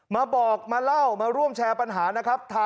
มาบอกมาเล่ามาร่วมแชร์ปัญหานะครับ